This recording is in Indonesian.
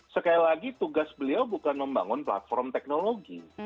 sekali lagi tugas beliau bukan membangun platform teknologi